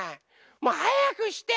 もうはやくして！